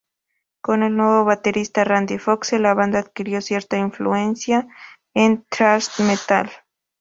Con el nuevo baterista Randy Foxe, la banda adquirió cierta influencia del thrash metal.